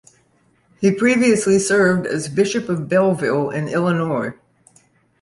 He previously served as Bishop of Belleville in Illinois.